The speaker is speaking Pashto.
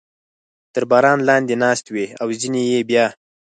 تر باران لاندې ناستې وې او ځینې یې بیا.